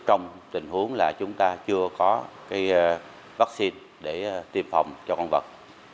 trong tình huống là chúng ta chưa có vaccine để tiêm phòng cho con vật